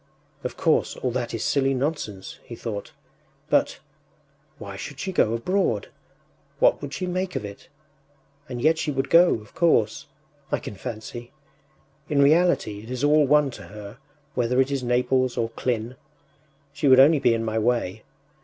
“Of course, all that is silly nonsense,” he thought; “but... why should she go abroad? What would she make of it? And yet she would go, of course.... I can fancy... In reality it is all one to her, whether it is Naples or Klin. She would only be in my way.